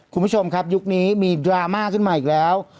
คุณผู้ชมครับยุคนี้มีดราม่าขึ้นมาอีกแล้ว